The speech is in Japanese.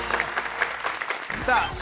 さあ